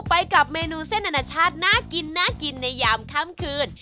ไปกับเมนูเส้นอนาชาติน่ากินน่ากินในยามค่ำคืน